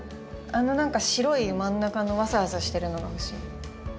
あの何か白い真ん中のワサワサしてるのが欲しい。